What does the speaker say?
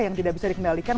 yang tidak bisa dikendalikan